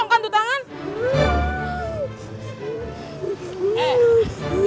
gak ada apa apa